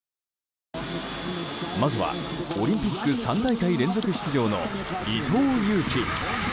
まずはオリンピック３大会連続出場の伊藤有希。